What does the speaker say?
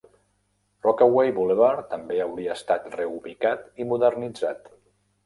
Rockaway Boulevard també hauria estat reubicat i modernitzat.